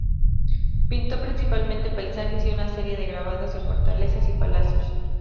Pintó principalmente paisajes y una serie de grabados de fortalezas y palacios.